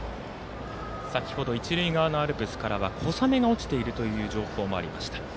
先ほど一塁側のアルプスからは小雨が落ちているという情報がありました。